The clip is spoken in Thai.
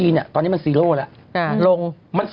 พี่เราหลุดมาไกลแล้วฝรั่งเศส